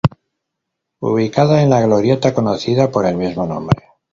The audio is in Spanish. Ubicada en la glorieta conocida por el mismo nombre.